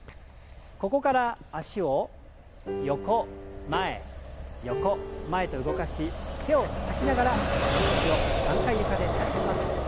ここから脚を横前横前と動かし手をたたきながらつま先を３回床でタッチします。